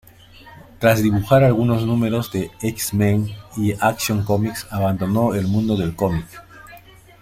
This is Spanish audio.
Tras dibujar algunos números de "X-Men" y "Action Comics", abandonó el mundo del cómic.